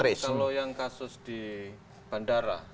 kalau yang kasus di bandara